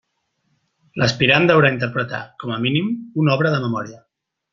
L'aspirant deurà interpretar, com a mínim, una obra de memòria.